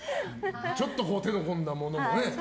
ちょっと手の込んだものもね。